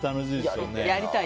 やりたい。